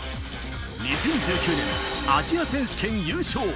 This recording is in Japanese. ２０１９年アジア選手権優勝。